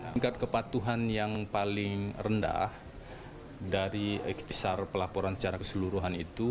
tingkat kepatuhan yang paling rendah dari kisar pelaporan secara keseluruhan itu